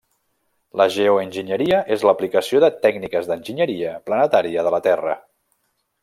La geoenginyeria és l'aplicació de tècniques d'enginyeria planetària de la Terra.